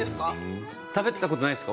食べたことないですか？